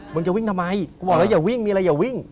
มึงจะวิ่งทำไมกูบอกแล้วอย่าวิ่งมีอะไรอย่าวิ่ง